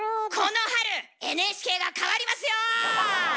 この春ＮＨＫが変わりますよ！